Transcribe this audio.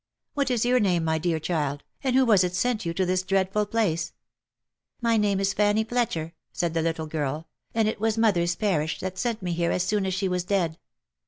What is your name, my dear child, and who was it sent you to this dreadful place ?"" My name is Fanny Fletcher," said the little girl, " and it was mo ther's parish that sent me here as soon as she was dead."